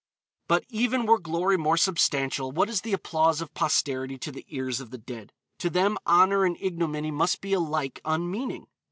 "But, even were glory more substantial, what is the applause of posterity to the ears of the dead? To them honor and ignominy must be alike unmeaning.